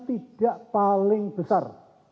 tidak paling besar